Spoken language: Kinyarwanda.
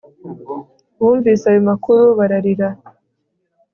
Bumvise ayo makuru bararira